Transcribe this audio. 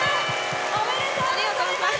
おめでとうございます。